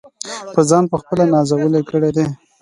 پۀ ځان پۀ خپله نازلې کړي دي -